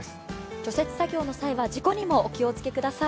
除雪作業の際は事故にもお気をつけください。